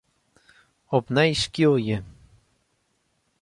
Opnij skilje.